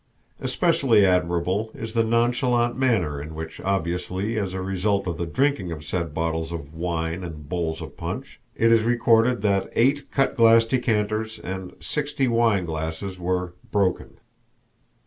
Especially admirable is the nonchalant manner in which, obviously as a result of the drinking of said bottles of wine and bowls of punch, it is recorded that eight cut glass decanters and sixty wine glasses were broken.